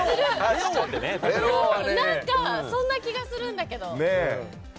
そんな気がするんだけどね。